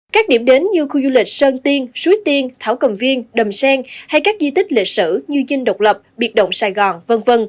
các điểm đến như khu du lịch sơn tiên suối tiên thảo cầm viên đầm sen hay các di tích lịch sử như dinh độc lập biệt động sài gòn v v